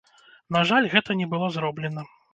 На жаль, гэта не было зроблена.